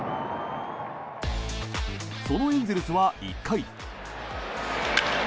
そのエンゼルスは１回。